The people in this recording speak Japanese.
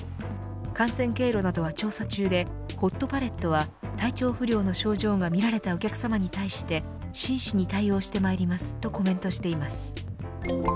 感染経路などは調査中でホットパレットは体調不良の症状がみられたお客様に対して真摯に対応してまいりますとコメントしています。